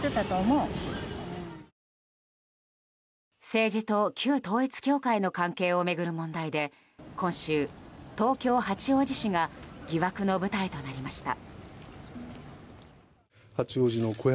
政治と旧統一教会の関係を巡る問題で今週、東京・八王子市が疑惑の舞台となりました。